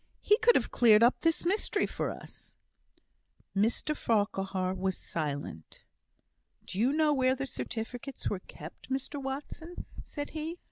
"He could have cleared up this mystery for us." Mr Farquhar was silent. "Do you know where the certificates were kept, Mr Watson?" said he.